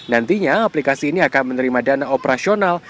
nantinya aplikasi ini akan menerima dana operasional